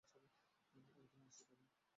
একদম নিশ্চিত আমি।